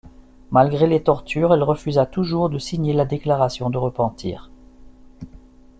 Malgré les tortures, elle refusa toujours de signer la déclaration de repentir.